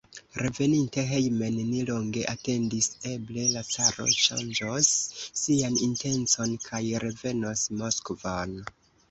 Reveninte hejmen, ni longe atendis: eble la caro ŝanĝos sian intencon kaj revenos Moskvon.